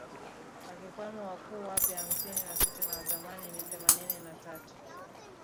Wakiwemo wakuu wapya hamsini na tisa na wa zamani ni themanini na tatu